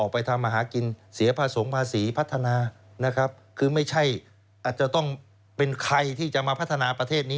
ไปทำอาหารกินเสียผสมภาษีพัฒนานะครับคือไม่ใช่อาจจะต้องเป็นใครที่จะมาพัฒนาประเทศนี้